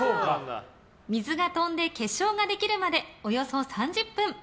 水が飛んで結晶ができるまでおよそ３０分。